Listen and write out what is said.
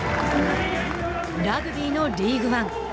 ラグビーのリーグワン。